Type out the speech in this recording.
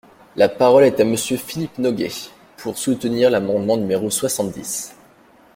La parole est à Monsieur Philippe Noguès, pour soutenir l’amendement numéro soixante-dix.